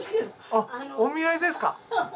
あっお見合いですか。